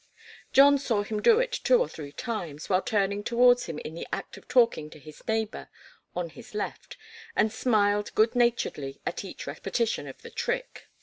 John saw him do it two or three times, while turning towards him in the act of talking to his neighbour on his left, and smiled good naturedly at each repetition of the trick.